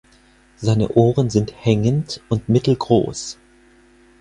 Seine Ohren sind hängend und mittelgroß.